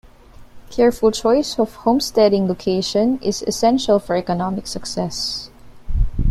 Careful choice of homesteading location is essential for economic success.